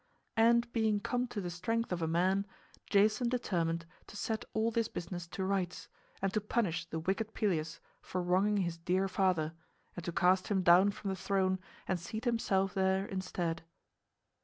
And being come to the strength of a man, Jason determined to set all this business to rights and to punish the wicked Pelias for wronging his dear father, and to cast him down from the throne and seat himself there instead.